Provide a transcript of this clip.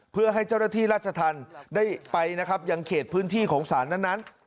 เพื่อให้เจ้าหน้าที่ราชธรรมได้ไปนะครับยังเขตพื้นที่ของศาลนั้น